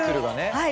はい。